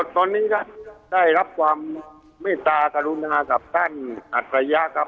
ตอนนี้ครับได้รับความไม่ตากรุณากับแป้งอัตรายักษ์ครับ